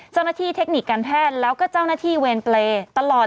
เจ้าหน้าที่เทคนิคการแพทย์แล้วก็เจ้าหน้าที่เวรเกลตลอด